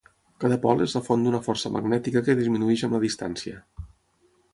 Cada pol és la font d'una força magnètica que disminueix amb la distància.